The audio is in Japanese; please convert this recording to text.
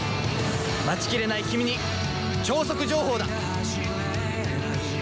待ちきれないキミに超速情報だ！